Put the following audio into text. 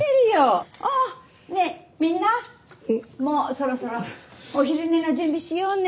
ねえみんなもうそろそろお昼寝の準備しようね。